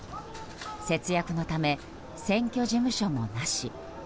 節約のため、選挙事務所もなし。